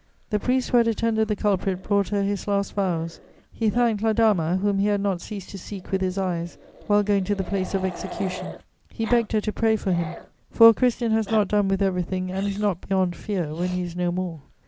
The priest who had attended the culprit brought her his last vows: he thanked la dama, whom he had not ceased to seek with his eyes while going to the place of execution; he begged her to pray for him: for a Christian has not done with everything and is not beyond fear when he is no more.